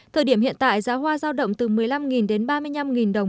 thời điểm hiện tại giá hoa giao động từ một mươi năm đến ba mươi năm đồng